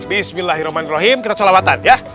bismillahirrahmanirrahim kita colawatan ya